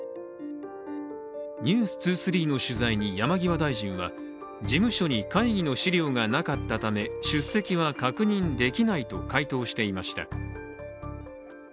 「ｎｅｗｓ２３」の取材に、山際大臣は事務所に会議の資料がなかったため出席は確認できないと回答していました。